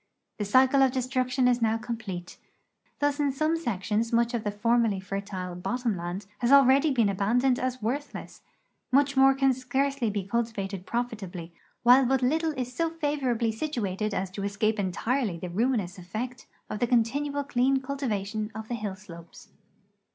The cycle of destruction is now complete. Thus in some sections much of the formerly fertile " bottom land " has already been abandoned as worthless, much more can scarcely be cultivated profitably, while but little is so favorably situated as to escape entirely the ruinous effect of the continual clean cultivation of the hill slopes.